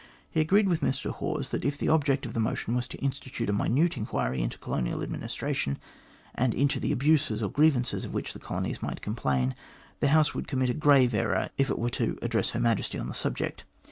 He agreed with Mr Hawes that if the object of the motion was to institute a minute enquiry into colonial administration, and into the abuses or grievances of which the colonies might complain, the House would commit a grave error if it were to address Her Majesty on the subject.